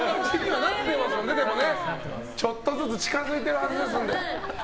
ちょっとずつ近づいてるはずなので。